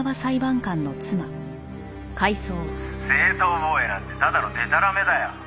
「正当防衛なんてただのでたらめだよ」